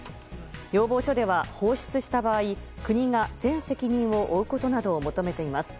要望書では、放出した場合国が全責任を負うことなどを求めています。